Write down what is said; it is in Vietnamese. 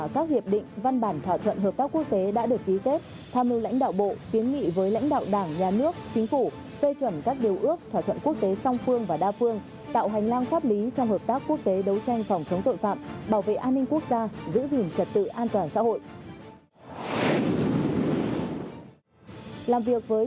các hiệp định văn bản thỏa thuận hợp tác quốc tế đã được ký kết tham lưu lãnh đạo bộ tiến nghị với lãnh đạo đảng nhà nước chính phủ phê chuẩn các điều ước thỏa thuận quốc tế song phương và đa phương tạo hành lang pháp lý trong hợp tác quốc tế đấu tranh phòng chống tội phạm bảo vệ an ninh quốc gia giữ gìn trật tự an toàn xã hội